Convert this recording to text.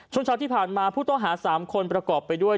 ช่วงเช้าที่ผ่านมาผู้ต้องหา๓คนประกอบไปด้วย